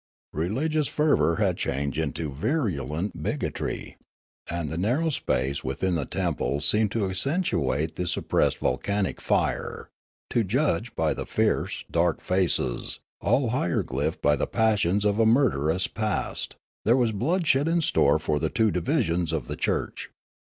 Religious fervour had changed into virulent bigotry ; and the narrow space within the temple seemed to accentuate the suppre.ssed volcanic fire, to judge by the fierce, dark faces all hieroglvphed by the passions of a murderous past ; there was blood shed in store for the two divisions of the church.